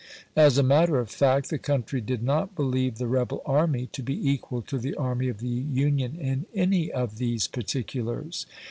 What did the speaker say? As a matter of fact, the country did not believe the rebel army to be equal to the army of the Union in any of these particulars.